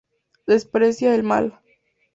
Desprecia el mal.